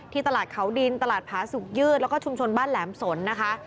ตลาดเขาดินตลาดผาสุกยืดแล้วก็ชุมชนบ้านแหลมสนนะคะ